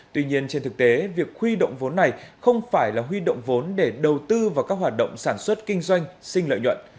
tuy nhiên trên thực tế việc huy động vốn này không phải là huy động vốn để đầu tư vào các hoạt động sản xuất kinh doanh sinh lợi nhuận